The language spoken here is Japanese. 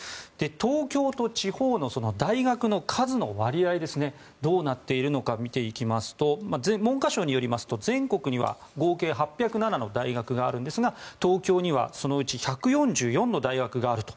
東京と地方の大学の数の割合がどうなっているのか見ていきますと文科省によりますと全国には合計８０７の大学があるんですが東京にはそのうち１４４の大学があると。